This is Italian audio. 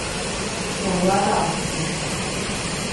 Solo al Roxy